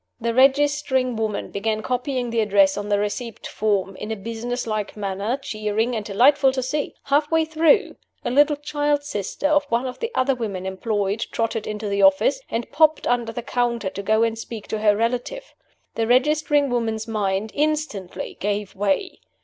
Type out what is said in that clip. The registering woman began copying the address on the receipt form, in a business like manner cheering and delightful to see. Half way through, a little child sister of one of the other women employed trotted into the office, and popped under the counter to go and speak to her relative. The registering woman's mind instantly gave way.